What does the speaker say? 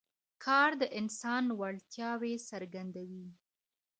کار د انسان وړتیاوې څرګندوي